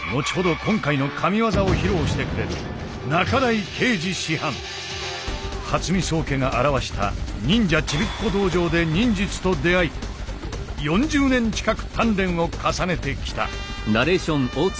今回の神技を披露してくれる初見宗家が著した「忍者チビッコ道場」で忍術と出会い４０年近く鍛錬を重ねてきた。